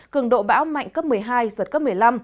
cường độ bão mạnh cấp một mươi hai giật cấp một mươi năm